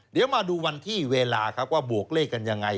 เดี๋ยวมาดูวันที่เวลาครับว่าบวกเลขกันยังไง